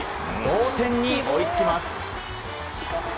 同点に追いつきます。